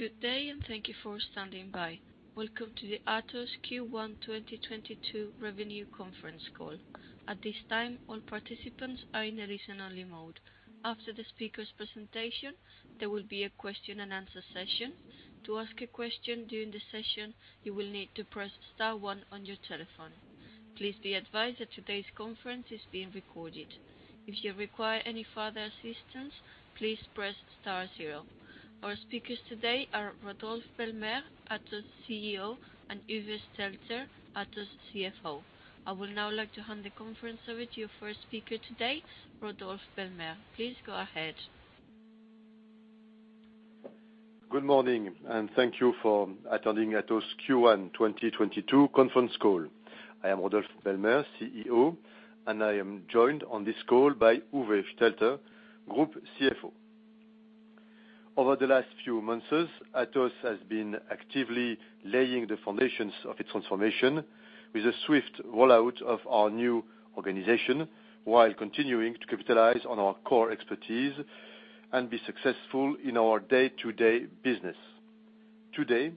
Good day and thank you for standing by. Welcome to the Atos Q1 2022 Revenue Conference Call. At this time, all participants are in a listen-only mode. After the speaker's presentation, there will be a question-and-answer session. To ask a question during the session, you will need to press star one on your telephone. Please be advised that today's conference is being recorded. If you require any further assistance, please press star zero. Our speakers today are Rodolphe Belmer, Atos CEO, and Uwe Stelter, Atos CFO. I would now like to hand the conference over to your first speaker today, Rodolphe Belmer. Please go ahead. Good morning, and thank you for attending Atos Q1 2022 conference call. I am Rodolphe Belmer, CEO, and I am joined on this call by Uwe Stelter, Group CFO. Over the last few months, Atos has been actively laying the foundations of its transformation with a swift rollout of our new organization while continuing to capitalize on our core expertise and be successful in our day-to-day business. Today,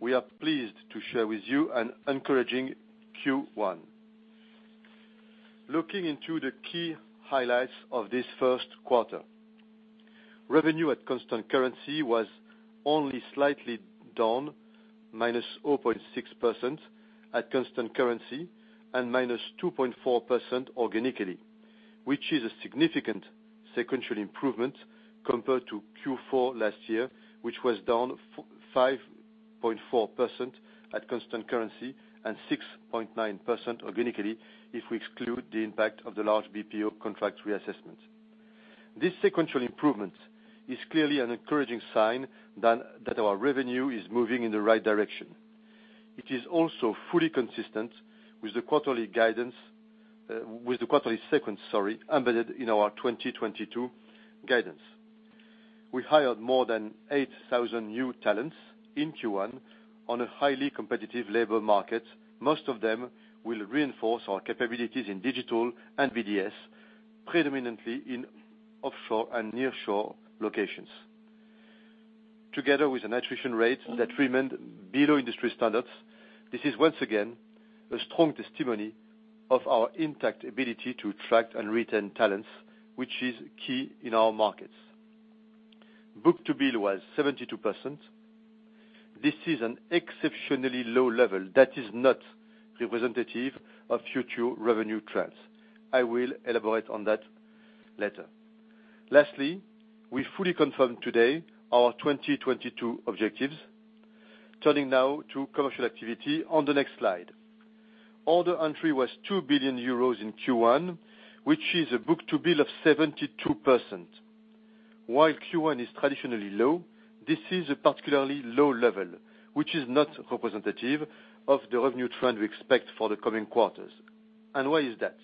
we are pleased to share with you an encouraging Q1. Looking into the key highlights of this Q1, revenue at constant currency was only slightly down, -0.6% at constant currency and -2.4% organically, which is a significant sequential improvement compared to Q4 last year, which was down 5.4% at constant currency and 6.9% organically if we exclude the impact of the large BPO contract reassessment. This sequential improvement is clearly an encouraging sign that our revenue is moving in the right direction. It is also fully consistent with the quarterly guidance, with the quarterly sequence embedded in our 2022 guidance. We hired more than 8,000 new talents in Q1 on a highly competitive labor market. Most of them will reinforce our capabilities in digital and BDS, predominantly in offshore and nearshore locations. Together with an attrition rate that remained below industry standards, this is once again a strong testimony of our intact ability to attract and retain talents, which is key in our markets. Book-to-bill was 72%. This is an exceptionally low level that is not representative of future revenue trends. I will elaborate on that later. Lastly, we fully confirm today our 2022 objectives. Turning now to commercial activity on the next slide. Order entry was 2 billion euros in Q1, which is a book-to-bill of 72%. While Q1 is traditionally low, this is a particularly low level, which is not representative of the revenue trend we expect for the coming quarters. Why is that?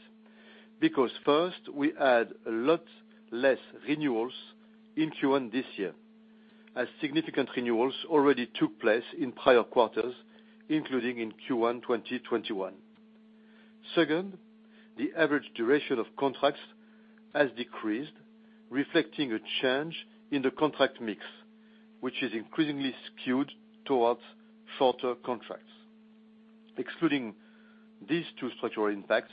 Because first, we add a lot less renewals in Q1 this year, as significant renewals already took place in prior quarters, including in Q1 2021. Second, the average duration of contracts has decreased, reflecting a change in the contract mix, which is increasingly skewed towards shorter contracts. Excluding these two structural impacts,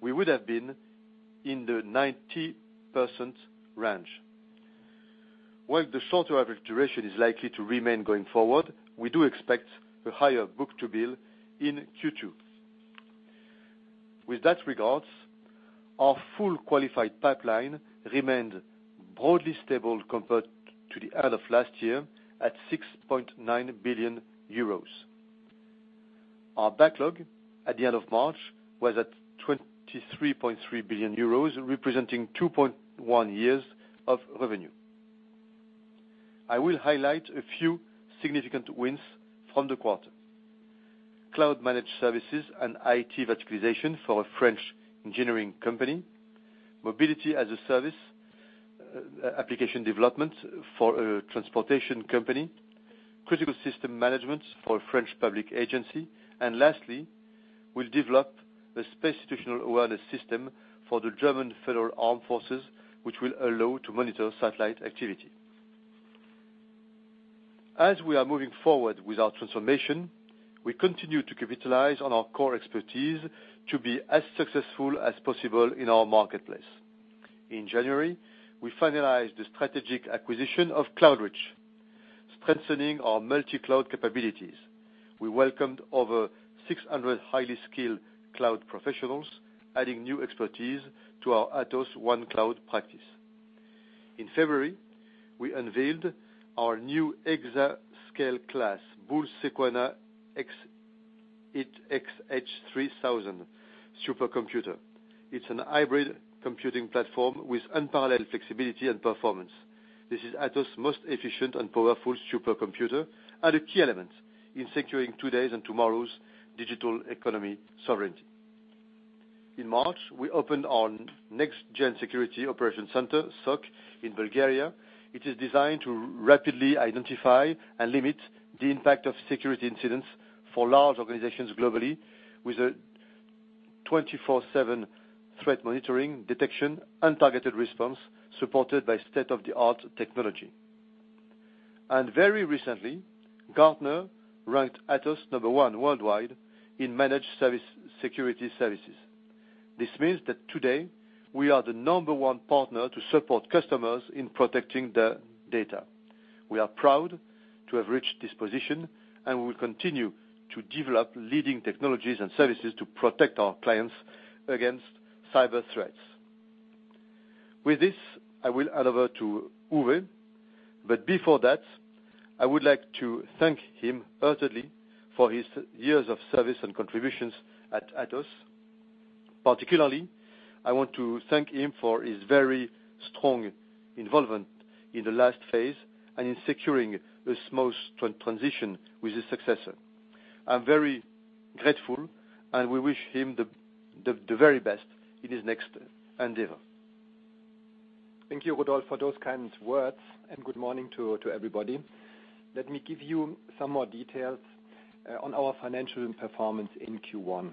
we would have been in the 90% range. While the shorter average duration is likely to remain going forward, we do expect a higher book-to-bill in Q2. With that regards, our full qualified pipeline remained broadly stable compared to the end of last year at 6.9 billion euros. Our backlog at the end of March was at 23.3 billion euros, representing 2.1 years of revenue. I will highlight a few significant wins from the quarter. Cloud managed services and IT modernization for a French engineering company, mobility as a service, application development for a transportation company, critical system management for a French public agency. Lastly, we'll develop a space situational awareness system for the German Federal Armed Forces, which will allow to monitor satellite activity. As we are moving forward with our transformation, we continue to capitalize on our core expertise to be as successful as possible in our marketplace. In January, we finalized the strategic acquisition of Cloudreach, strengthening our multi-cloud capabilities. We welcomed over 600 highly skilled cloud professionals, adding new expertise to our Atos OneCloud practice. In February, we unveiled our new exascale-class BullSequana XH3000 supercomputer. It's a hybrid computing platform with unparalleled flexibility and performance. This is Atos' most efficient and powerful supercomputer and a key element in securing today's and tomorrow's digital economy sovereignty. In March, we opened our next-gen security operations center, SOC, in Bulgaria. It is designed to rapidly identify and limit the impact of security incidents for large organizations globally with 24/7 threat monitoring, detection, and targeted response, supported by state-of-the-art technology. Very recently, Gartner ranked Atos number one worldwide in managed service security services. This means that today we are the number one partner to support customers in protecting their data. We are proud to have reached this position, and we will continue to develop leading technologies and services to protect our clients against cyber threats. With this, I will hand over to Uwe. Before that, I would like to thank him heartily for his years of service and contributions at Atos. Particularly, I want to thank him for his very strong involvement in the last phase and in securing the smooth transition with his successor. I'm very grateful, and we wish him the very best in his next endeavor. Thank you, Rodolphe, for those kind words, and good morning to everybody. Let me give you some more details on our financial performance in Q1.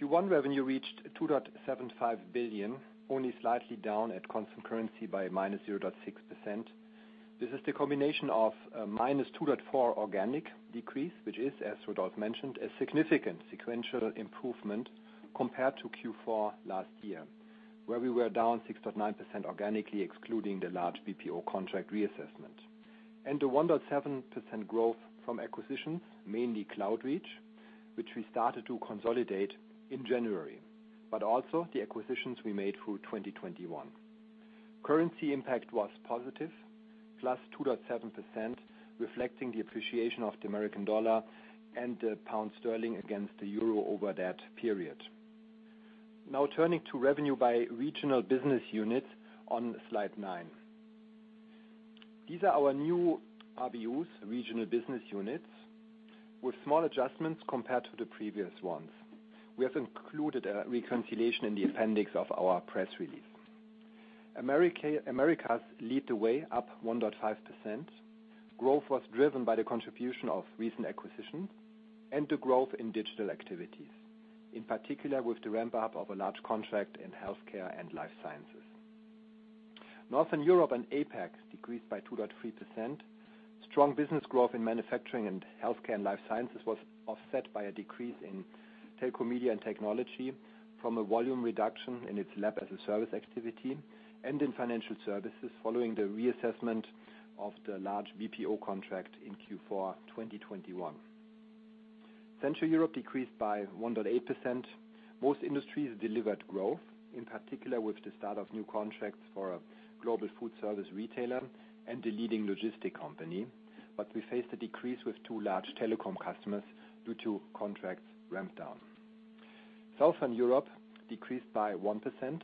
Q1 revenue reached 2.75 billion, only slightly down at constant currency by -0.6%. This is the combination of -2.4% organic decrease, which is, as Rodolphe mentioned, a significant sequential improvement compared to Q4 last year, where we were down 6.9% organically, excluding the large BPO contract reassessment. The 1.7% growth from acquisitions, mainly Cloudreach, which we started to consolidate in January. Also the acquisitions we made through 2021. Currency impact was positive, +2.7%, reflecting the appreciation of the American dollar and the pound sterling against the euro over that period. Now turning to revenue by regional business units on Slide nine. These are our new RBUs, regional business units, with small adjustments compared to the previous ones. We have included a reconciliation in the appendix of our press release. Americas lead the way up 1.5%. Growth was driven by the contribution of recent acquisitions and the growth in digital activities, in particular with the ramp-up of a large contract in healthcare and life sciences. Northern Europe and APAC decreased by 2.3%. Strong business growth in manufacturing and healthcare and life sciences was offset by a decrease in telecom, media and technology from a volume reduction in its Lab as a Service activity, and in financial services following the reassessment of the large BPO contract in Q4 2021. Central Europe decreased by 1.8%. Most industries delivered growth, in particular with the start of new contracts for a global food service retailer and a leading logistic company. We faced a decrease with two large telecom customers due to contracts ramped down. Southern Europe decreased by 1%.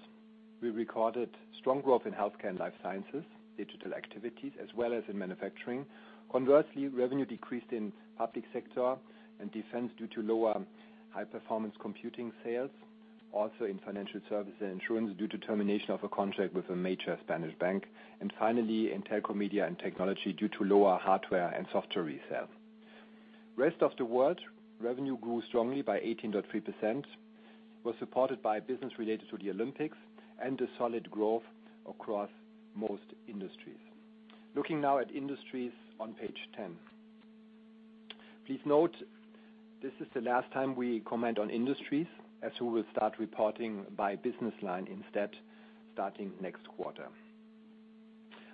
We recorded strong growth in healthcare and life sciences, digital activities, as well as in manufacturing. Conversely, revenue decreased in public sector and defense due to lower high-performance computing sales, also in financial services and insurance due to termination of a contract with a major Spanish bank, and finally in telecom, media and technology due to lower hardware and software resale. Rest of the world revenue grew strongly by 18.3%, was supported by business related to the Olympics and a solid growth across most industries. Looking now at industries on page 10. Please note this is the last time we comment on industries, as we will start reporting by business line instead starting next quarter.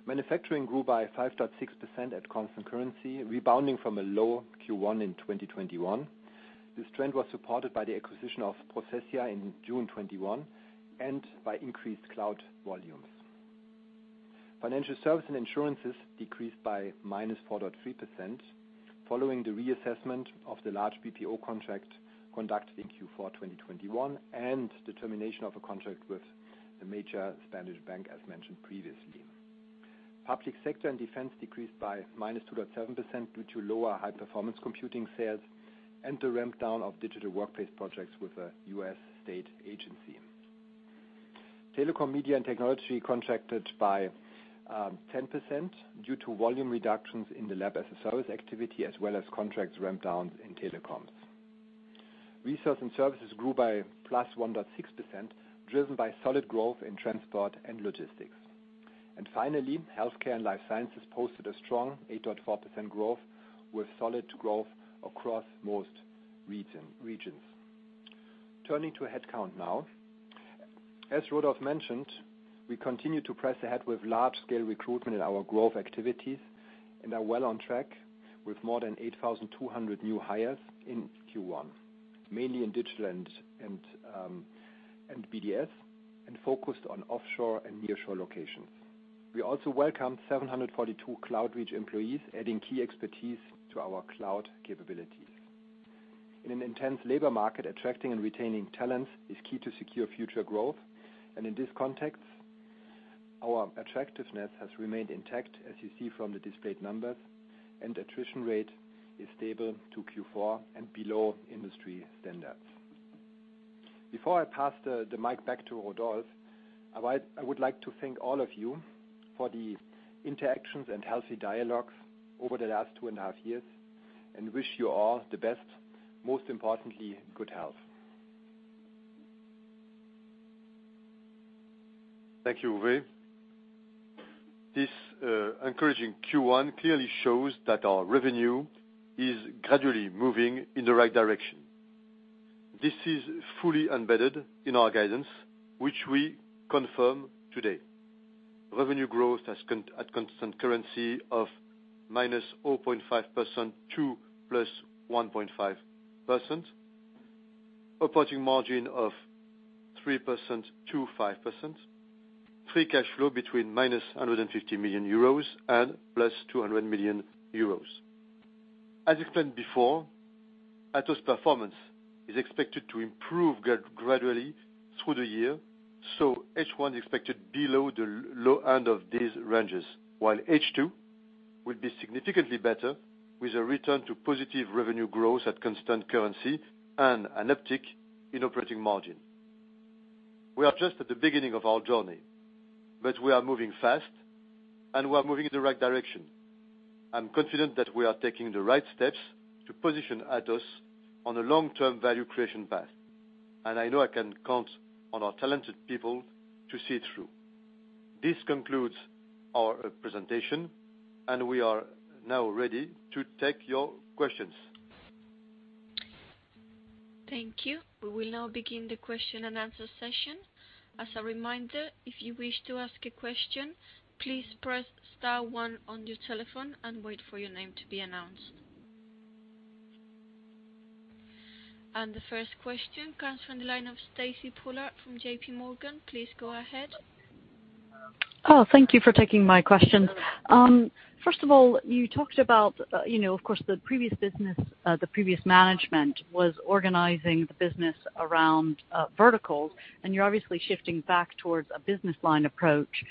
Manufacturing grew by 5.6% at constant currency, rebounding from a low Q1 in 2021. This trend was supported by the acquisition of Processia in June 2021 and by increased cloud volumes. Financial services and insurance decreased by -4.3% following the reassessment of the large BPO contract conducted in Q4 2021 and the termination of a contract with a major Spanish bank, as mentioned previously. Public sector and defense decreased by -2.7% due to lower high-performance computing sales and the ramp down of digital workplace projects with a U.S. state agency. Telecom, media, and technology contracted by 10% due to volume reductions in the Lab as a Service activity as well as contracts ramp downs in telecoms. Resources and services grew by +1.6%, driven by solid growth in transport and logistics. Finally, healthcare and life sciences posted a strong 8.4% growth with solid growth across most regions. Turning to headcount now. As Rodolphe mentioned, we continue to press ahead with large-scale recruitment in our growth activities and are well on track with more than 8,200 new hires in Q1, mainly in digital and BDS, and focused on offshore and nearshore locations. We also welcomed 742 Cloudreach employees, adding key expertise to our cloud capabilities. In an intense labor market, attracting and retaining talent is key to secure future growth. In this context, our attractiveness has remained intact, as you see from the displayed numbers, and attrition rate is stable to Q4 and below industry standards. Before I pass the mic back to Rodolphe. I would like to thank all of you for the interactions and healthy dialogues over the last 2.5 years, and wish you all the best, most importantly, good health. Thank you, Uwe. This encouraging Q1 clearly shows that our revenue is gradually moving in the right direction. This is fully embedded in our guidance, which we confirm today. Revenue growth at constant currency of -0.5% to +1.5%. Operating margin of 3%-5%. Free cash flow between -150 million euros and 200 million euros. As explained before, Atos performance is expected to improve gradually through the year, so H1 expected below the low end of these ranges, while H2 will be significantly better with a return to positive revenue growth at constant currency and an uptick in operating margin. We are just at the beginning of our journey, but we are moving fast, and we are moving in the right direction. I'm confident that we are taking the right steps to position Atos on a long-term value creation path, and I know I can count on our talented people to see it through. This concludes our presentation, and we are now ready to take your questions. Thank you. We will now begin the question and answer session. As a reminder, if you wish to ask a question, please press star one on your telephone and wait for your name to be announced. The first question comes from the line of Stacy Pollard from JPMorgan. Please go ahead. Oh, thank you for taking my question. First of all, you talked about, you know, of course, the previous business, the previous management was organizing the business around, verticals, and you're obviously shifting back towards a business line approach.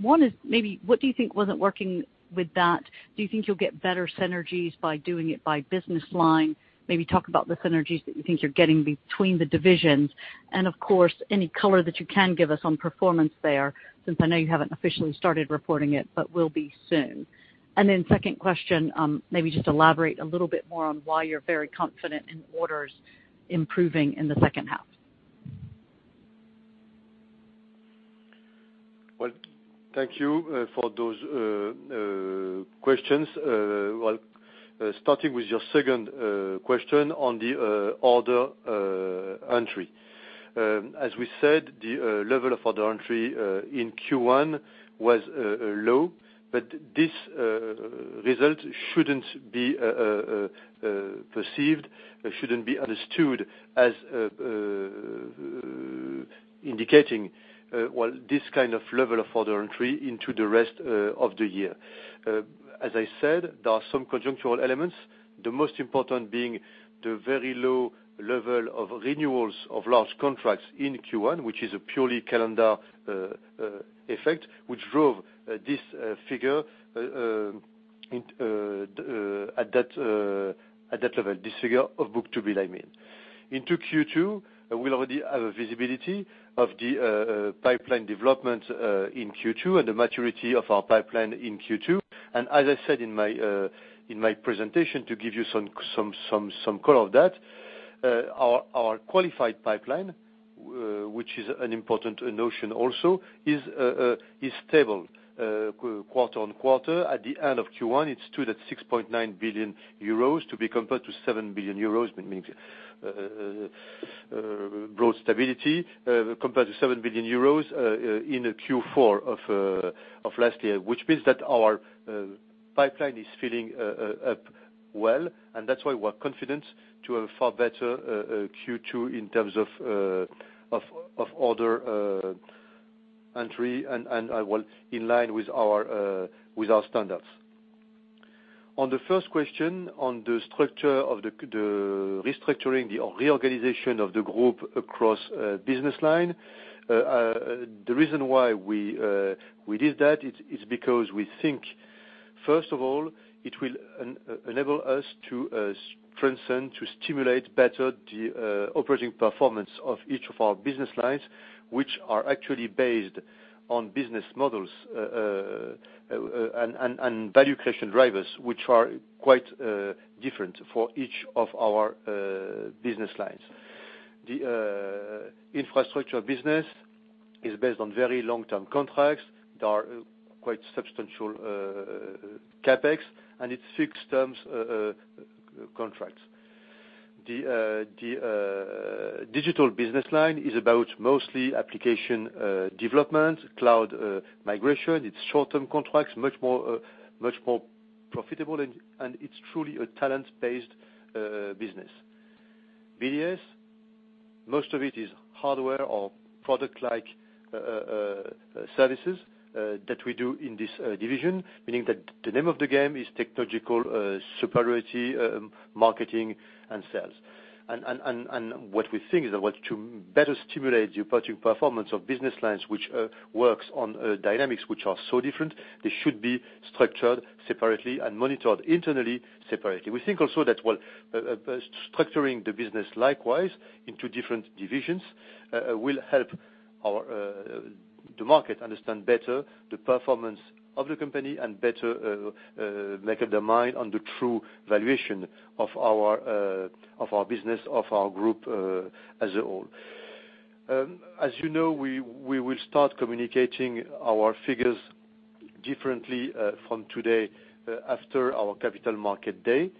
One is maybe what do you think wasn't working with that? Do you think you'll get better synergies by doing it by business line? Maybe talk about the synergies that you think you're getting between the divisions and of course, any color that you can give us on performance there, since I know you haven't officially started reporting it, but will be soon. Then second question, maybe just elaborate a little bit more on why you're very confident in orders improving in the H2. Well, thank you for those questions. Well, starting with your second question on the order entry. As we said, the level of order entry in Q1 was low, but this result shouldn't be understood as indicating well, this kind of level of order entry into the rest of the year. As I said, there are some conjunctural elements, the most important being the very low level of renewals of large contracts in Q1, which is a purely calendar effect, which drove this figure at that level, this figure of book-to-bill, I mean. Into Q2, we already have a visibility of the pipeline development in Q2 and the maturity of our pipeline in Q2. As I said in my presentation, to give you some color of that, our qualified pipeline, which is an important notion also, is stable quarter-on-quarter. At the end of Q1, it stood at 6.9 billion euros to be compared to 7 billion euros, which means growth stability compared to 7 billion euros in Q4 of last year. Which means that our pipeline is filling up well, and that's why we're confident to have a far better Q2 in terms of order entry and well in line with our standards. On the first question on the structure of the restructuring, the reorganization of the group across business lines, the reason why we did that is because we think, first of all, it will enable us to stimulate better the operating performance of each of our business lines, which are actually based on business models and value creation drivers, which are quite different for each of our business lines. The infrastructure business is based on very long-term contracts that are quite substantial CapEx, and it's fixed terms contracts. The digital business line is about mostly application development, cloud migration. It's short-term contracts, much more profitable and it's truly a talent-based business. BDS, most of it is hardware or product-like services that we do in this division, meaning that the name of the game is technological superiority, marketing and sales. What we think is that well, to better stimulate the operating performance of business lines which works on dynamics which are so different, they should be structured separately and monitored internally separately. We think also that structuring the business likewise into different divisions will help our the market understand better the performance of the company and better make up their mind on the true valuation of our business of our group as a whole. As you know, we will start communicating our figures differently from today after our Capital Markets Day,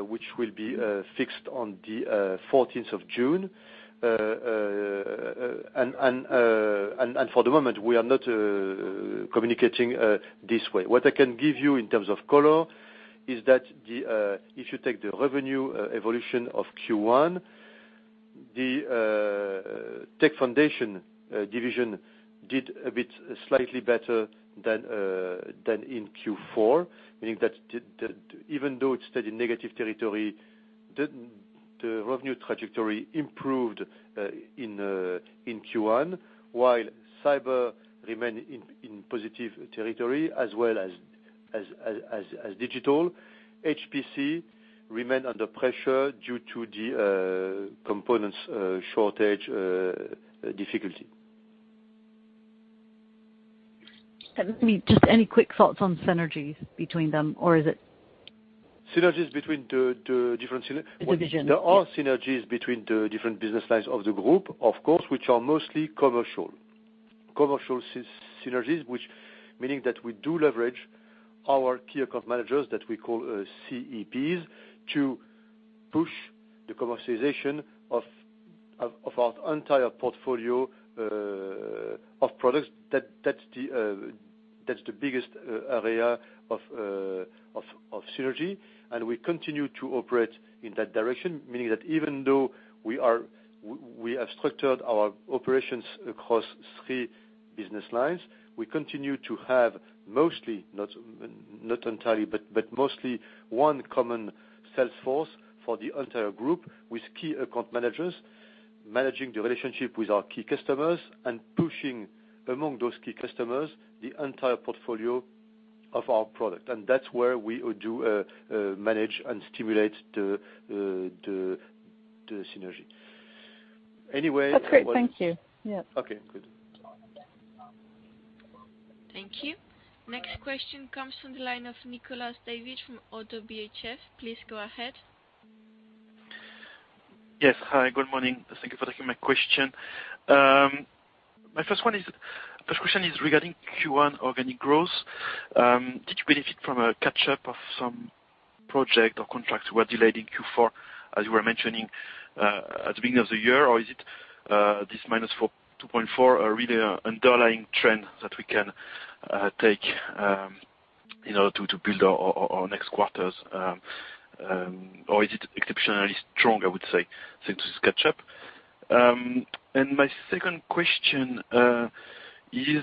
which will be fixed on the fourteenth of June. And for the moment, we are not communicating this way. What I can give you in terms of color is that if you take the revenue evolution of Q1, the Tech Foundations division did a bit slightly better than in Q4. Meaning that even though it's still in negative territory, the revenue trajectory improved in Q1, while cyber remained in positive territory as well as digital. HPC remained under pressure due to the components shortage difficulty. Just any quick thoughts on synergies between them, or is it? Synergies between the different syne- The divisions, yes. There are synergies between the different business lines of the group, of course, which are mostly commercial. Commercial synergies, which meaning that we do leverage our key account managers, that we call CEPs, to push the commercialization of our entire portfolio of products. That's the biggest area of synergy. We continue to operate in that direction, meaning that even though we have structured our operations across three business lines, we continue to have mostly, not entirely, but mostly one common sales force for the entire group with key account managers managing the relationship with our key customers and pushing among those key customers the entire portfolio of our product. That's where we manage and stimulate the synergy. That's great. Thank you. Yeah. Okay, good. Thank you. Next question comes from the line of Nicolas David from ODDO BHF. Please go ahead. Yes. Hi, good morning. Thank you for taking my question. My first question is regarding Q1 organic growth. Did you benefit from a catch-up of some project or contracts were delayed in Q4, as you were mentioning at the beginning of the year? Or is it this -4.2% really underlying trend that we can take, you know, to build our next quarters or is it exceptionally strong, I would say, since this catch-up? My second question is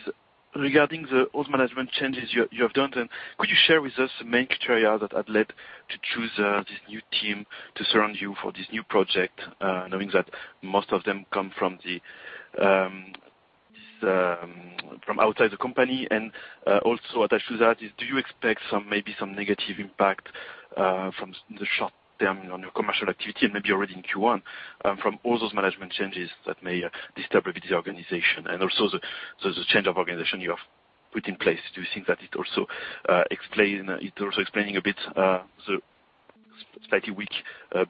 regarding the all management changes you have done, and could you share with us the main criteria that had led to choose this new team to surround you for this new project, knowing that most of them come from outside the company. Also attached to that, do you expect some, maybe some negative impact in the short term on your commercial activity and maybe already in Q1 from all those management changes that may disturb a bit the organization and also so the change of organization you have put in place. Do you think that it also explaining a bit the slightly weak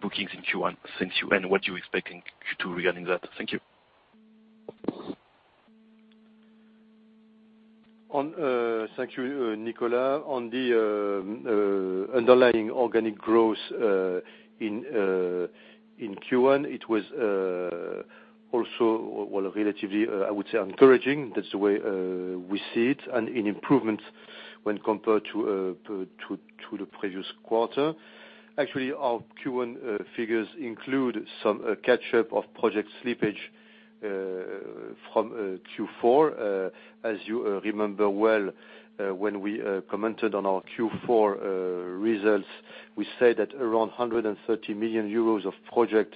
bookings in Q1 as you and what you expect in Q2 regarding that? Thank you. Thank you, Nicolas. On the underlying organic growth in Q1, it was also well relatively, I would say, encouraging. That's the way we see it and an improvement when compared to the previous quarter. Actually, our Q1 figures include some catch-up of project slippage from Q4. As you remember well, when we commented on our Q4 results, we said that around 130 million euros of project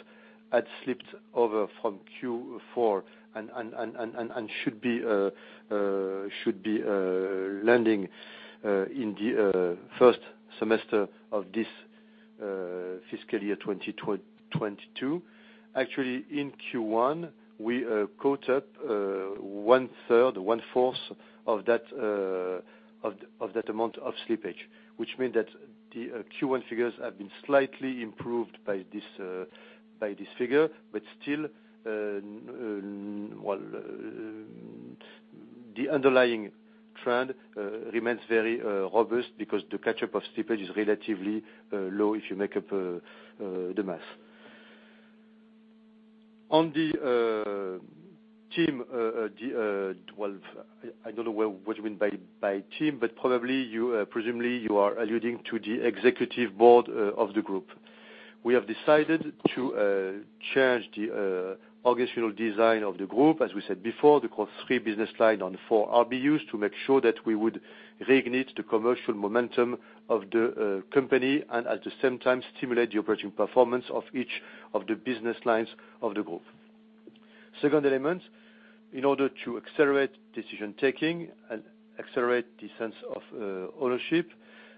had slipped over from Q4 and should be landing in the first semester of this fiscal year 2022. Actually, in Q1, we caught up one-third, one-fourth of that amount of slippage, which means that the Q1 figures have been slightly improved by this figure. Still, well, the underlying trend remains very robust because the catch-up of slippage is relatively low if you do the math. On the team, well, I don't know what you mean by team, but probably you presumably are alluding to the Executive Board of the group. We have decided to change the organizational design of the group. As we said before, the core three business lines of the four RBUs to make sure that we would reignite the commercial momentum of the company and at the same time stimulate the operating performance of each of the business lines of the group. Second element, in order to accelerate decision-making and accelerate the sense of ownership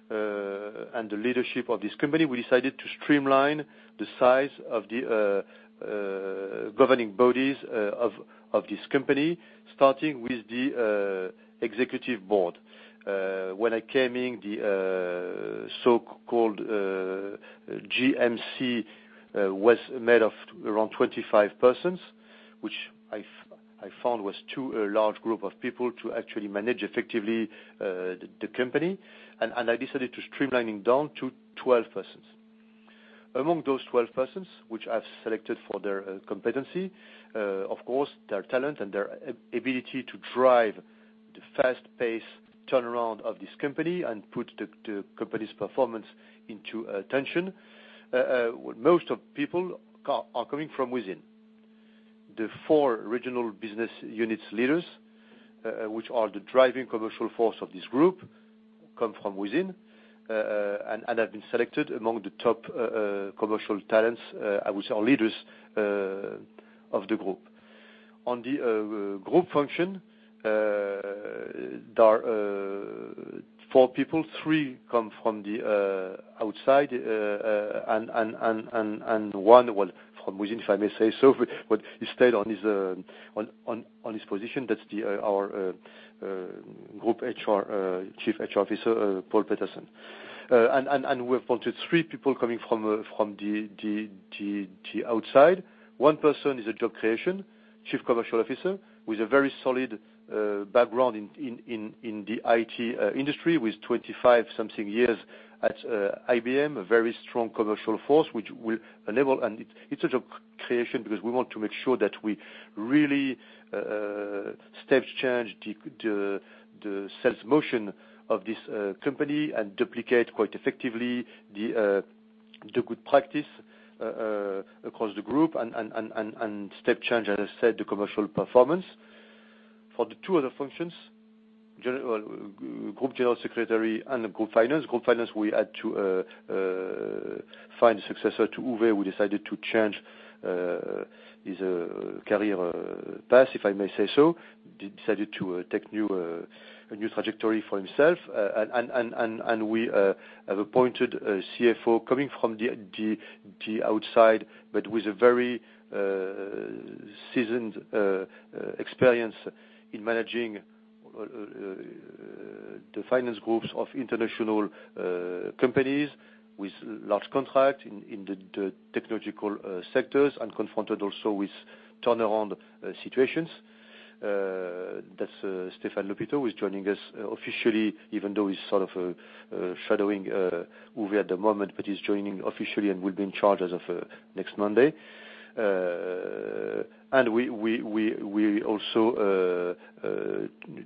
and the leadership of this company, we decided to streamline the size of the governing bodies of this company, starting with the executive board. When I came in, the so-called GMC was made of around 25 persons, which I found was too large a group of people to actually manage effectively the company. I decided to streamline down to 12 persons. Among those 12 persons, which I've selected for their competency, of course their talent and their ability to drive the fast-paced turnaround of this company and put the company's performance into contention. Most people are coming from within. The four regional business units leaders, which are the driving commercial force of this group, come from within. One well from within, if I may say so, but he stayed on his position. That's our Group Chief HR Officer, Paul Peterson. We appointed three people coming from the outside. One person is a job creation Chief Commercial Officer with a very solid background in the IT industry, with 25-something years at IBM, a very strong commercial force which will enable. It's a job creation because we want to make sure that we really stage change the sales motion of this company and duplicate quite effectively the good practice across the group and step change, as I said, the commercial performance. For the two other functions, Group General Secretary and the Group Finance. Group Finance, we had to find a successor to Uwe, who decided to change his career path, if I may say so decided to take a new trajectory for himself. We have appointed a CFO coming from the outside, but with a very seasoned experience in managing the finance groups of international companies with large contracts in the technological sectors and confronted also with turnaround situations. That's Stéphane Lhopiteau, who is joining us officially, even though he's sort of shadowing Uwe at the moment, but he's joining officially and will be in charge as of next Monday. We also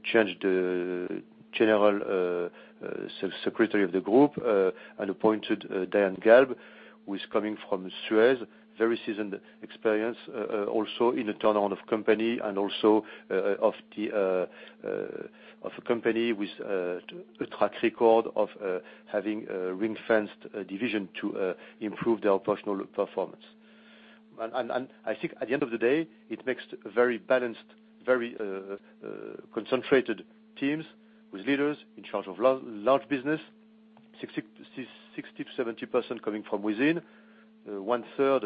changed the General Secretary of the group and appointed Diane Galbe, who is coming from Suez. Very seasoned experience also in the turnaround of company and also of a company with a track record of having a ring-fenced division to improve their operational performance. I think at the end of the day, it makes very balanced, very concentrated teams with leaders in charge of large business. 60%-70% coming from within. One-third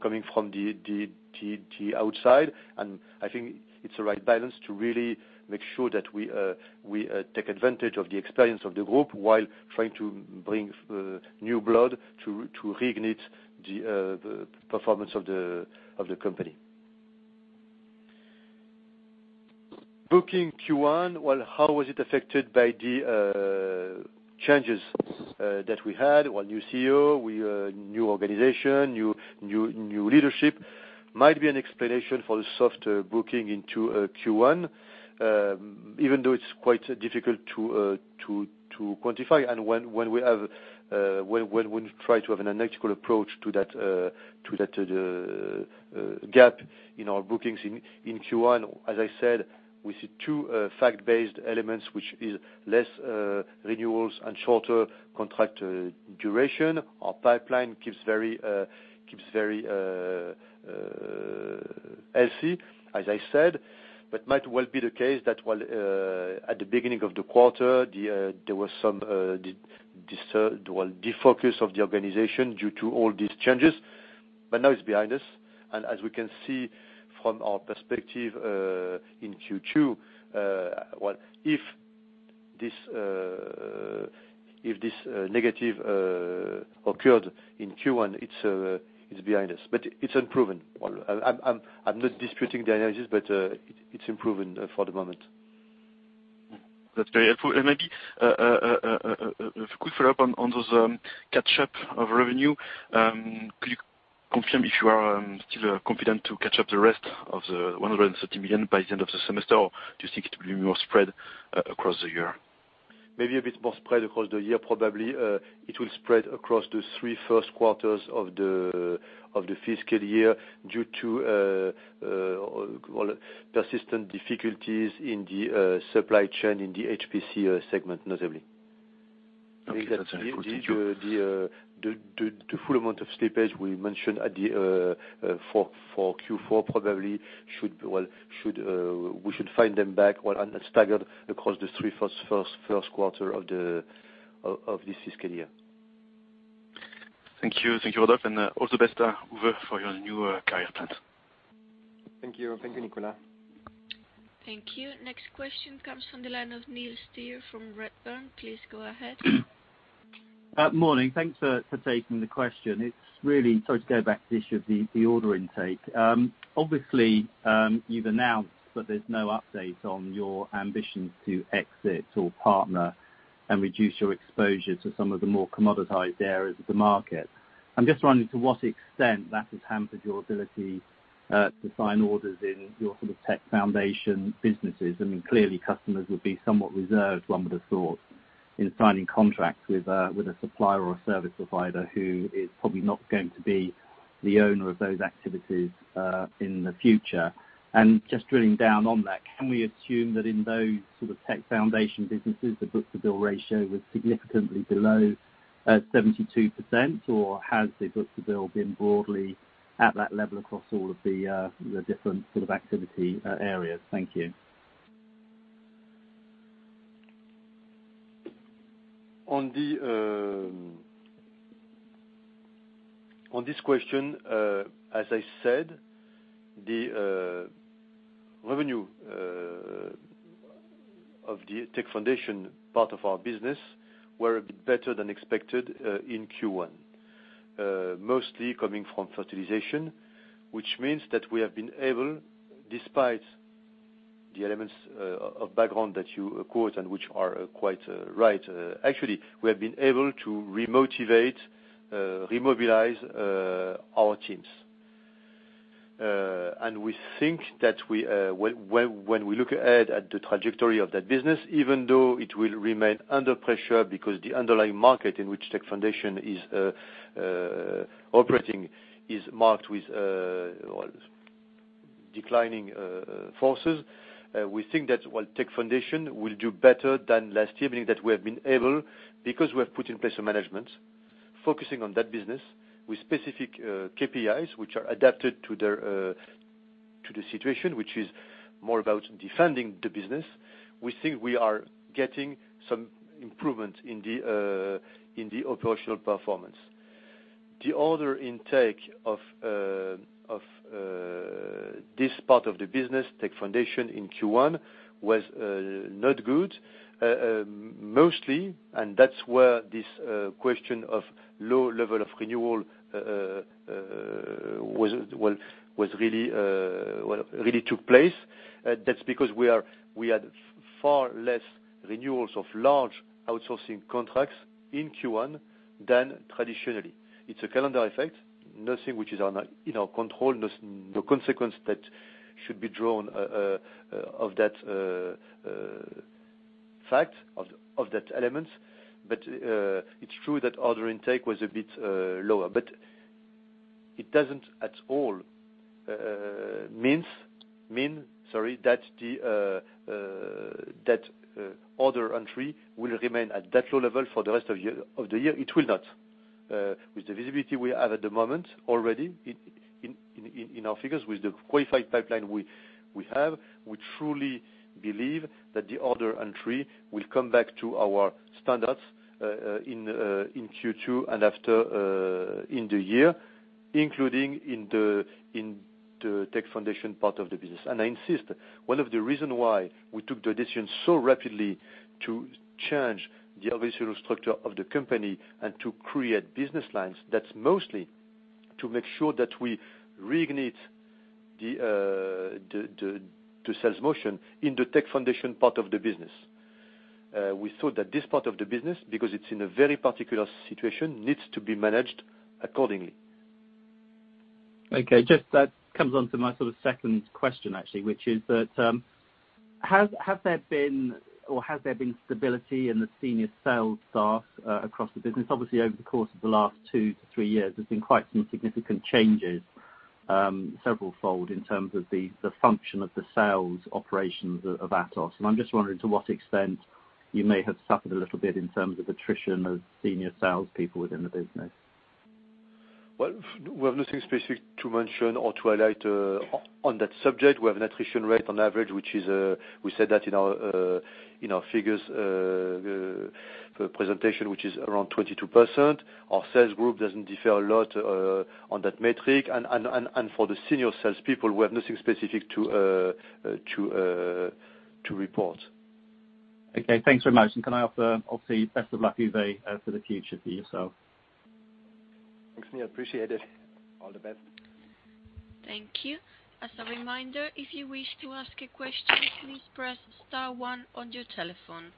coming from the outside. I think it's the right balance to really make sure that we take advantage of the experience of the group while trying to bring new blood to reignite the performance of the company. Bookings Q1, well, how was it affected by the changes that we had? One new CEO, new organization, new leadership might be an explanation for the soft bookings in Q1, even though it's quite difficult to quantify. When we try to have an analytical approach to that gap in our bookings in Q1, as I said, we see two fact-based elements, which is less renewals and shorter contract duration. Our pipeline keeps very healthy, as I said. It might well be the case that while at the beginning of the quarter, there was some defocus of the organization due to all these changes. Now it's behind us. As we can see from our perspective, in Q2, well, if this negative occurred in Q1, it's behind us, but it's unproven. Well, I'm not disputing the analysis, but it's unproven for the moment. That's very helpful. Maybe a quick follow-up on those catch up of revenue. Could you confirm if you are still confident to catch up the rest of the 130 million by the end of the semester, or do you think it will be more spread across the year? Maybe a bit more spread across the year, probably. It will spread across the three Q1 of the fiscal year due to, well, persistent difficulties in the supply chain in the HPC segment, notably. Okay. That's very good to hear. The full amount of slippage we mentioned for Q4 probably we should find them back and staggered across the first three quarters of this fiscal year. Thank you. Thank you, Rodolphe. All the best, Uwe, for your new career plans. Thank you. Thank you, Nicolas. Thank you. Next question comes from the line of Neil Steer from Redburn. Please go ahead. Morning. Thanks for taking the question. To go back to the issue of the order intake. Obviously, you've announced that there's no update on your ambitions to exit or partner and reduce your exposure to some of the more commoditized areas of the market. I'm just wondering to what extent that has hampered your ability to sign orders in your sort of Tech Foundations businesses. I mean, clearly customers would be somewhat reserved, one would have thought, in signing contracts with a supplier or service provider who is probably not going to be the owner of those activities in the future. Just drilling down on that, can we assume that in those sorts of Tech Foundations businesses, the book-to-bill ratio was significantly below 72%, or has the book-to-bill been broadly at that level across all of the different sort of activity areas? Thank you. On this question, as I said, the revenue of the Tech Foundations part of our business were a bit better than expected in Q1. Mostly coming from fertilization, which means that we have been able, despite the elements of background that you quote, and which are quite right. Actually, we have been able to remobilize our teams. We think that when we look ahead at the trajectory of that business, even though it will remain under pressure because the underlying market in which Tech Foundations is operating is marked with well declining forces. We think that while Tech Foundations will do better than last year, meaning that we have been able, because we have put in place a management focusing on that business with specific KPIs, which are adapted to the situation, which is more about defending the business. We think we are getting some improvement in the operational performance. The order intake of this part of the business, Tech Foundations in Q1, was not good. Mostly, and that's where this question of low level of renewal was really took place. That's because we had far less renewals of large outsourcing contracts in Q1 than traditionally. It's a calendar effect, nothing which is in our control. No consequence that should be drawn of that fact of that element. It's true that order intake was a bit lower. It doesn't at all mean that order entry will remain at that low level for the rest of the year. It will not. With the visibility we have at the moment already in our figures, with the qualified pipeline we have, we truly believe that the order entry will come back to our standards in Q2 and after in the year, including in the Tech Foundations part of the business. I insist, one of the reason why we took the decision so rapidly to change the organizational structure of the company and to create business lines, that's mostly to make sure that we reignite the sales motion in the Tech Foundations part of the business. We thought that this part of the business, because it's in a very particular situation, needs to be managed accordingly. Okay. Just that comes on to my sort of second question, actually, which is that, has there been stability in the senior sales staff across the business? Obviously, over the course of the last 2-3 years, there's been quite some significant changes, severalfold in terms of the function of the sales operations of Atos. I'm just wondering to what extent you may have suffered a little bit in terms of attrition of senior salespeople within the business. Well, we have nothing specific to mention or to highlight on that subject. We have an attrition rate on average, which is we said that in our figures presentation, which is around 22%. Our sales group doesn't differ a lot on that metric. For the senior salespeople, we have nothing specific to report. Okay. Thanks very much. Can I offer obviously best of luck, Uwe, for the future for yourself. Thanks, Neil. Appreciate it. All the best. Thank you. As a reminder, if you wish to ask a question, please press star one on your telephone.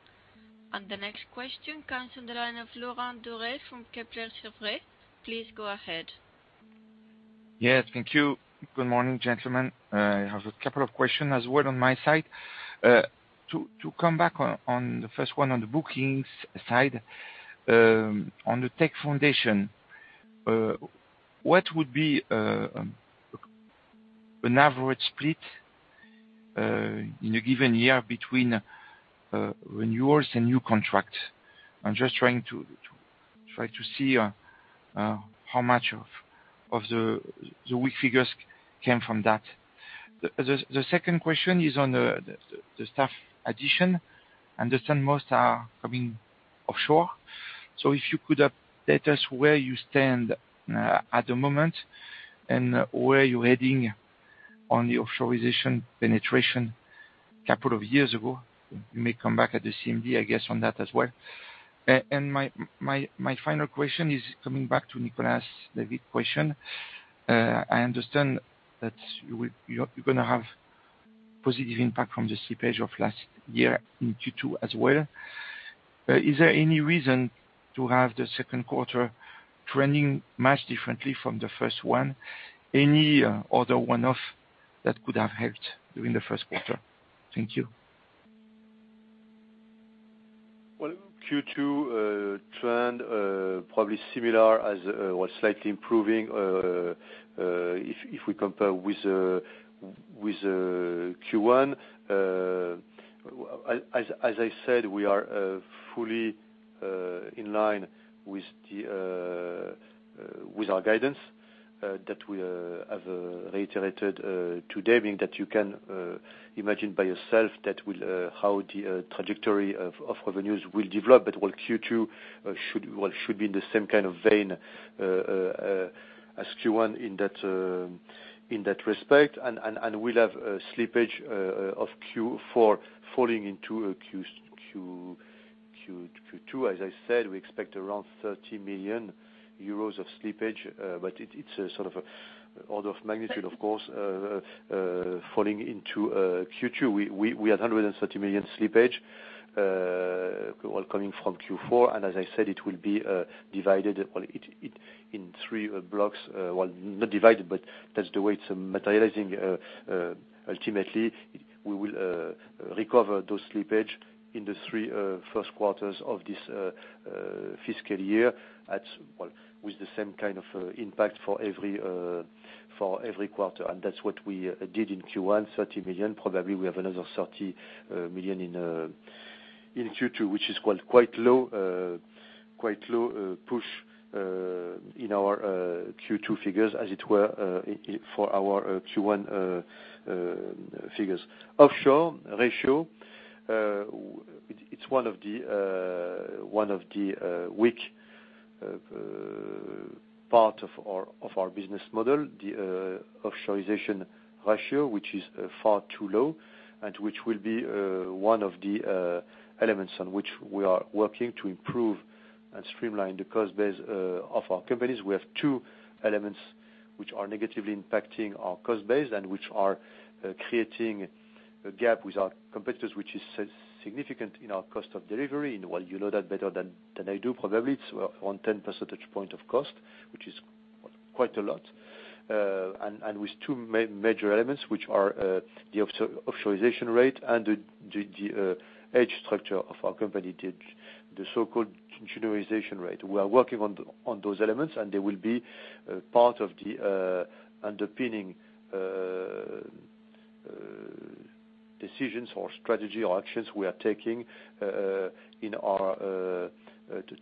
The next question comes on the line of Laurent Daure from Kepler Cheuvreux. Please go ahead. Yes, thank you. Good morning, gentlemen. I have a couple of questions as well on my side. To come back on the first one on the bookings side, on the Tech Foundations, what would be an average split in a given year between renewals and new contracts? I'm just trying to see how much of the weak figures came from that. The second question is on the staff addition. I understand most are coming offshore. So if you could update us where you stand at the moment and where you're heading on the offshore penetration a couple of years ago. You may come back at the CMD, I guess, on that as well. My final question is coming back to Nicolas David's question. I understand that you're gonna have positive impact from the slippage of last year in Q2 as well. Is there any reason to have the Q2 trending much differently from the first one? Any other one-off that could have helped during the Q1? Thank you. Well, Q2 trend probably similar as or slightly improving. If we compare with Q1. As I said, we are fully in line with our guidance that we have reiterated today, being that you can imagine for yourself how the trajectory of revenues will develop. Well, Q2 should be in the same kind of vein as Q1 in that respect. We'll have a slippage of Q4 falling into a Q2. As I said, we expect around 30 million euros of slippage, but it's a sort of order of magnitude, of course, falling into Q2. We had 130 million slippage all coming from Q4. As I said, it will be divided, well, in three blocks. Well, not divided, but that's the way it's materializing. Ultimately, we will recover those slippage in the three Q1 of this fiscal year at, well, with the same kind of impact for every quarter. That's what we did in Q1, 30 million. Probably we have another 30 million in Q2, which is, well, quite low push in our Q2 figures, as it were for our Q1 figures. Offshore ratio, it's one of the weak part of our business model. The offshoreization ratio, which is far too low, and which will be one of the elements on which we are working to improve and streamline the cost base of our companies. We have two elements which are negatively impacting our cost base, and which are creating a gap with our competitors, which is significant in our cost of delivery. Well, you know that better than I do, probably. It's on 10 percentage points of cost, which is quite a lot. With two major elements, which are the offshoreization rate and the age structure of our company, the so-called juniorization rate. We are working on those elements, and they will be part of the underpinning decisions or strategy or actions we are taking in our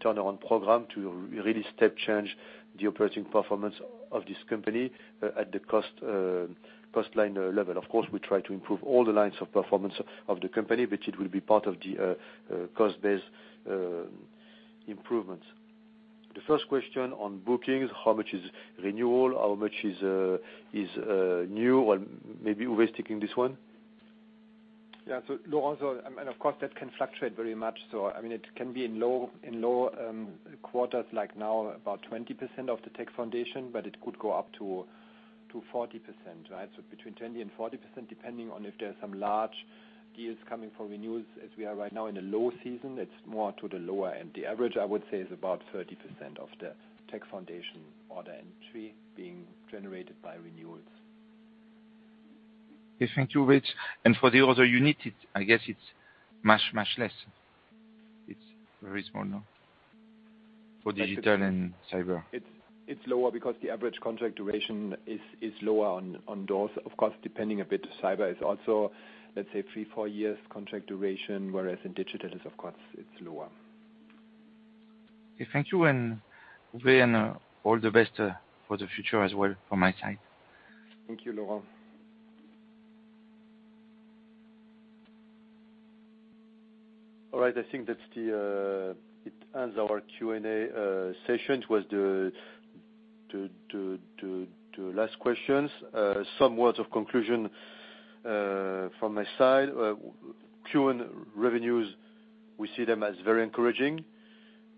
turnaround program to really step change the operating performance of this company at the cost line level. Of course, we try to improve all the lines of performance of the company, but it will be part of the cost-based improvements. The first question on bookings, how much is renewal, how much is new? Well, maybe Uwe is taking this one. Yeah. Laurent, and of course that can fluctuate very much. I mean, it can be in low quarters like now, about 20% of the Tech Foundations, but it could go up to 40%, right? Between 20% and 40%, depending on if there's some large deals coming for renewals. As we are right now in a low season, it's more to the lower end. The average, I would say, is about 30% of the Tech Foundations order entry being generated by renewals. Yes, thank you, Uwe. For the other unit, it's, I guess it's much, much less. It's very small, no? For digital and cyber. It's lower because the average contract duration is lower on those. Of course, depending on a bit. Cyber is also, let's say 3-4 years contract duration, whereas in digital it's of course lower. Okay. Thank you. Uwe and all the best for the future as well from my side. Thank you, Laurent. All right. I think that's it ends our Q&A session. It was the last questions. Some words of conclusion from my side. Q1 revenues, we see them as very encouraging.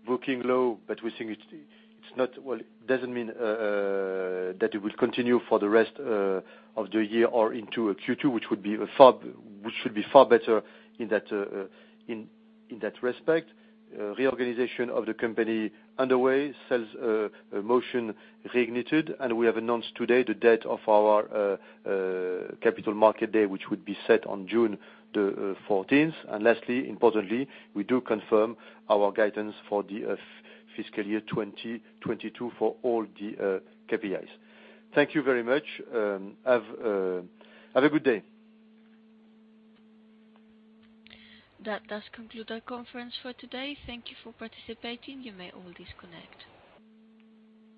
Booking low, but we think it's not, well, it doesn't mean that it will continue for the rest of the year or into a Q2, which should be far better in that respect. Reorganization of the company underway. Sales motion reignited, and we have announced today the date of our Capital Markets Day, which would be set on June 14th. Lastly, importantly, we do confirm our guidance for the fiscal year 2022 for all the KPIs. Thank you very much. Have a good day. That does conclude our conference for today. Thank you for participating. You may all disconnect.